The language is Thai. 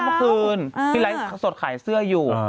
ภรรยาคม่ะคืนพี่ไลก์ยั่งขายเสื้ออยู่